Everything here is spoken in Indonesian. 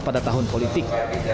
pada tahun politik